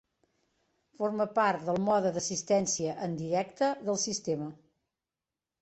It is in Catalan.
Forma part del mode d'assistència en directe del sistema.